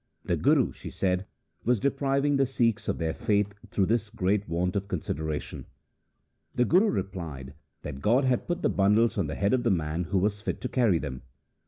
The Guru, she said, was depriv ing the Sikhs of their faith through his great want of consideration. The Guru replied that God had put the bundles on the head of the man who was LIFE OF GURU ANGAD 5 fit to carry them.